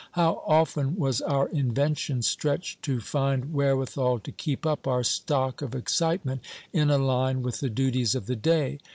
How often was our invention stretched to find wherewithal to keep up our stock of excitement in a line with the duties of the day!